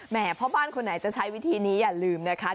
พ่อบ้านคนไหนจะใช้วิธีนี้อย่าลืมนะคะ